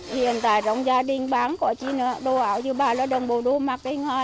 hiện tại trong gia đình bán có gì nữa đồ áo chứ bà là đồng bộ đồ mặc cái ngoài